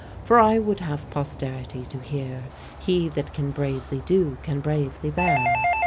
For I would have posterity to hear, He that can bravely do, can bravely bear.